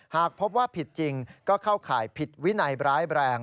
หากพบว่าผิดจริงก็เข้าข่ายผิดวินัยร้ายแรง